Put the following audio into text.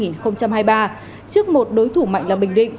trước một đối thủ mạnh là bình định